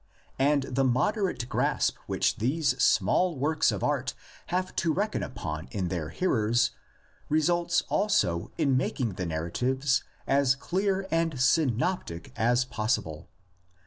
And the moderate grasp which these small works of art have to reckon upon in their hearers results also in making the narratives as clear and synoptic as possible.